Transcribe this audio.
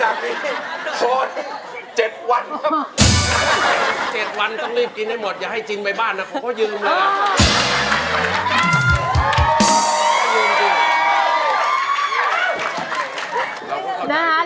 อย่าให้จริงไปบ้านนะเขายืมเลย